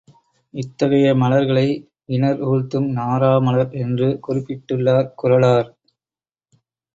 இத்தகைய மலர்களை, இணர் ஊழ்த்தும் நாறாமலர் என்று குறிப்பிட்டுள்ளார் குறளார்.